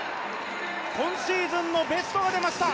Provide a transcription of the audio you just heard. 今シーズンのベストが出ました。